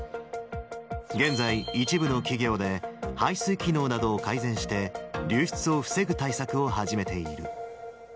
現在、一部の企業で、排水機能などを改善して、流出を防ぐ対策を始めている。